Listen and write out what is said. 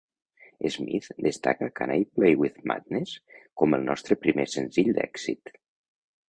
Smith destaca "Can I Play with Madness" com "el nostre primer senzill d'èxit.